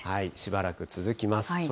しばらく続きます。